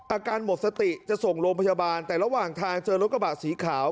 อาการหมดสติจะส่งโรงพยาบาลแต่ระหว่างทางเจอรถกระบะสีขาว